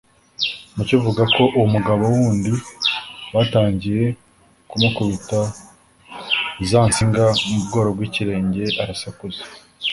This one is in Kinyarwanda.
Mucyo avuga ko uwo mugabo wundi batangiye kumukubita za nsinga mu bworo bw’ikirenge arasakuza